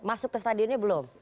masuk ke stadionnya belum